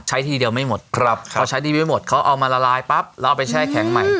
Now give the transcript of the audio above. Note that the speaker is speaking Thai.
ใช้ทีเดียวไม่หมดก็ใช้ทีไม่หมดเค้าเอามาระลายปั๊บเราไปใช้แข็งใหม่